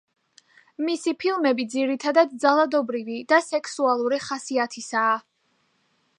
მისი ფილმები ძირითადად ძალადობრივი და სექსუალური ხასიათისაა.